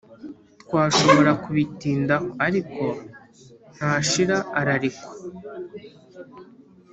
Twashobora kubitindaho, ariko ntashira ararekwa,